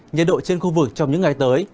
nhiệt độ trên khu vực trong những ngày tới